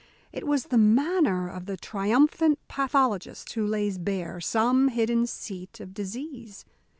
It was the manner of the triumphant pathologist who lays bare some hidden seat of disease.